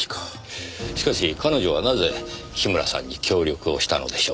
しかし彼女はなぜ樋村さんに協力をしたのでしょう？